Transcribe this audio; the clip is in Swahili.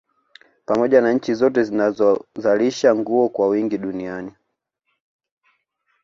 Pamoja na nchi zote zinazozalisha nguo kwa wingi Duniani